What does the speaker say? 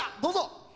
どうぞ。